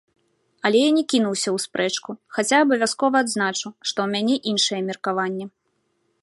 Але я не кінуся ў спрэчку, хаця абавязкова адзначу, што ў мяне іншае меркаванне.